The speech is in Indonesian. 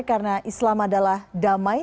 karena islam adalah damai